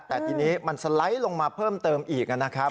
แต่ทีนี้มันสไลด์ลงมาเพิ่มเติมอีกนะครับ